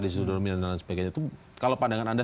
di situ kalau pandangan anda